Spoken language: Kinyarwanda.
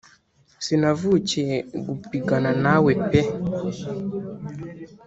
Sinavukiye gupigana nawe pee